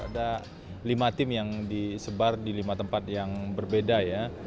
ada lima tim yang disebar di lima tempat yang berbeda ya